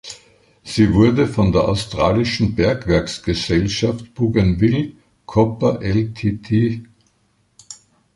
Sie wurde von der australischen Bergwerksgesellschaft Bougainville Copper Ltd.